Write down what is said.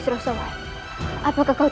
raka kian santang